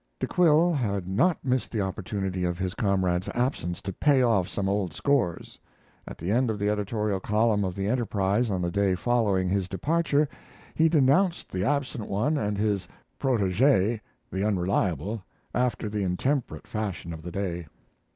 De Quille had not missed the opportunity of his comrade's absence to payoff some old scores. At the end of the editorial column of the Enterprise on the day following his departure he denounced the absent one and his "protege," The Unreliable, after the intemperate fashion of the day.